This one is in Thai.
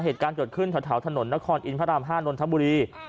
เหตุการณ์จดขึ้นทะเถาถนนนครอินทร์พระราม๕นทับบุรี